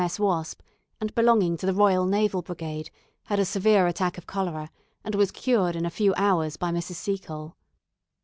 M.S. 'Wasp,' and belonging to the Royal Naval Brigade, had a severe attack of cholera, and was cured in a few hours by Mrs. Seacole."